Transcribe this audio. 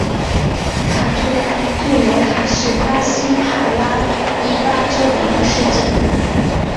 卡图莱杜罗卡是巴西帕拉伊巴州的一个市镇。